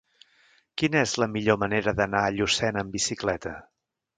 Quina és la millor manera d'anar a Llucena amb bicicleta?